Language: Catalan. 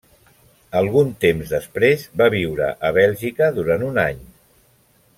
Algun temps després, va viure a Bèlgica durant un any.